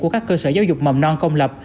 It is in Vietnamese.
của các cơ sở giáo dục mầm non công lập